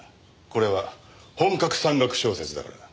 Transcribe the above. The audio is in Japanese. これは本格山岳小説だからな。